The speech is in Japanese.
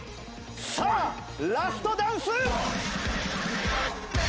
さあラストダンス！